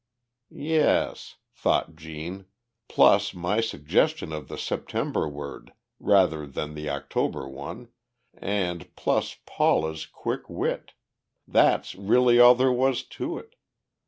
"Yes," thought Gene, "plus my suggestion of the September word, rather than the October one, and plus Paula's quick wit that's really all there was to it!"